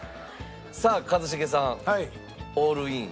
さあ一茂さんオールイン。